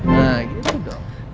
nah gitu dong